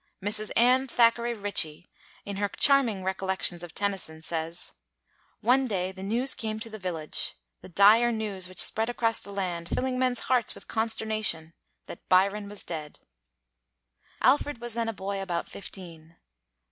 Mrs. Anne Thackeray Ritchie, in her charming recollections of Tennyson, says: "One day the news came to the village the dire news which spread across the land, filling men's hearts with consternation that Byron was dead. Alfred was then a boy about fifteen.